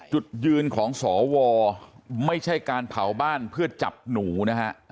จุดยืนของสวไม่ใช่การเผาบ้านเพื่อจับหนูนะฮะ